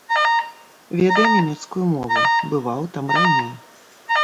Ведае нямецкую мову, бываў там раней.